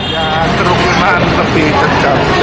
ya kerukunan lebih terjalin